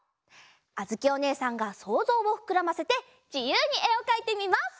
あづきおねえさんがそうぞうをふくらませてじゆうにえをかいてみます！